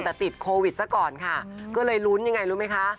แต่ติดโควิดฟ้าเจสดาค่ะก็เลยรุ้นยังไงรู้ไหมคะ